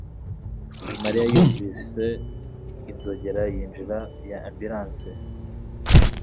Mariya yumvise inzogera yinjira ya ambulance